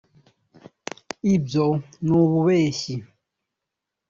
Ibyo ni ububeshyi